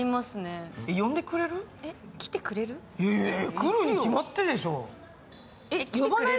来るにきまってるでしょう！